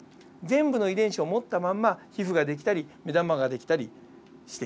全部の遺伝子を持ったまんま皮膚ができたり目玉ができたりしている。